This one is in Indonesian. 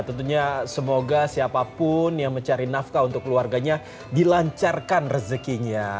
tentunya semoga siapapun yang mencari nafkah untuk keluarganya dilancarkan rezekinya